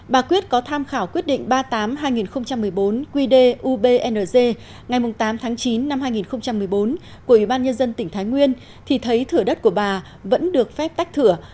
bà quyết có tham khảo quyết định ba mươi tám hai nghìn một mươi bốn qdubng ngày tám tháng chín năm hai nghìn một mươi bốn của ủy ban nhân dân tỉnh thái nguyên thì thấy thửa đất của bà vẫn được phép tách thửa